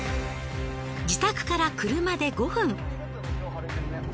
自宅から車で５分。